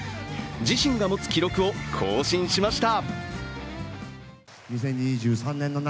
自身が持つ記録を更新しました。